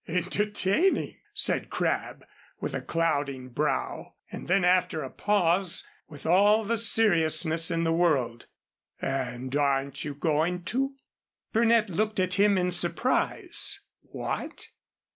"Entertaining!" said Crabb, with clouding brow. And then, after a pause, with all the seriousness in the world: "And aren't you going to?" Burnett turned to look at him in surprise. "What?"